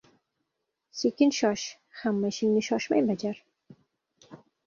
Sekin shosh, hamma ishingni shoshmay bajar.